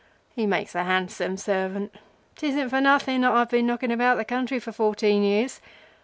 He makes a handsome servant. 'Tisn't for nothing that I've been knocking about the country for fourteen years.